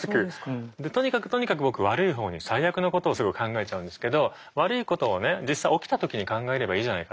でとにかくとにかく僕悪いほうに最悪なことをすぐ考えちゃうんですけど悪いことをね実際起きた時に考えればいいじゃないかと。